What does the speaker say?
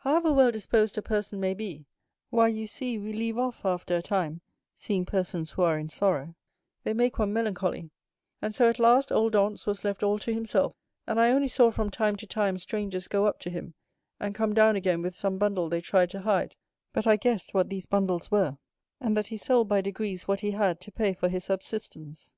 "However well disposed a person may be, why, you see we leave off after a time seeing persons who are in sorrow, they make one melancholy; and so at last old Dantès was left all to himself, and I only saw from time to time strangers go up to him and come down again with some bundle they tried to hide; but I guessed what these bundles were, and that he sold by degrees what he had to pay for his subsistence.